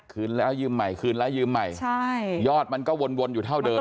คืนแล้วยืมใหม่คืนแล้วยืมใหม่ใช่ยอดมันก็วนอยู่เท่าเดิม